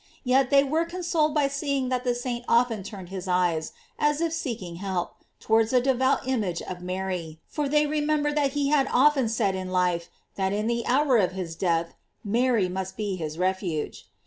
Yet they were consoled by seeing that the saint often turned his eyes, as if seek ing help, towards a devout image of Mary, for they remembered that he had often said in life, that in the hour of his death, Mary must be his refuge.